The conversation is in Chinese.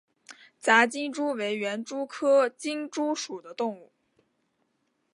杂金蛛为园蛛科金蛛属的动物。